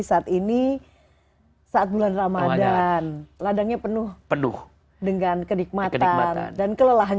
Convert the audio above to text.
saat ini saat bulan ramadan peladangnya penuh penuh dengan kedikmatan dan kelelahan